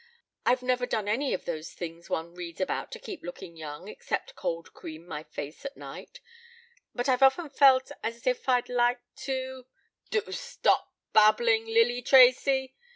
I've never done any of those things one reads about to keep looking young except cold cream my face at night, but I've often felt as if I'd like to " "Do stop babbling, Lily Tracy!"